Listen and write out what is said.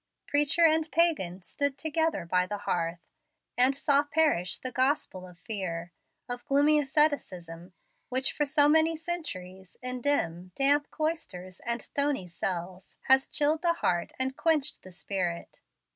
Preacher and pagan stood together by the hearth, and saw perish the Gospel of Fear of gloomy asceticism which for so many centuries, in dim, damp cloisters and stony cells has chilled the heart and quenched the spirit.